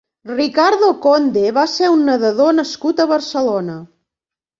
Ricardo Conde va ser un nedador nascut a Barcelona.